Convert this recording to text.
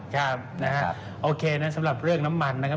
ครับนะฮะโอเคนะสำหรับเรื่องน้ำมันนะครับ